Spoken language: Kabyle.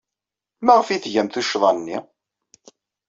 Maɣef ay tgam tuccḍa-nni?